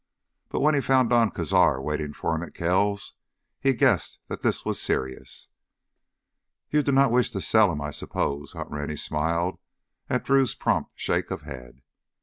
But when he found Don Cazar waiting for him at Kells', he guessed that this was serious. "You do not wish to sell him, I suppose?" Hunt Rennie smiled at Drew's prompt shake of head.